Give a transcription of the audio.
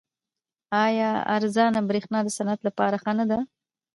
آیا ارزانه بریښنا د صنعت لپاره ښه نه ده؟